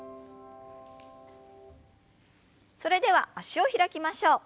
それでは脚を開きましょう。